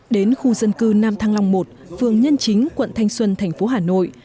đến khu dân cư nam thăng lâm i phường nhân chính quận thanh xuân thành phố hà nội